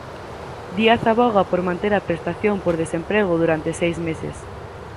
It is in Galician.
Díaz avoga por manter a prestación por desemprego durante seis meses.